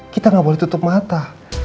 kita gak boleh tutup mata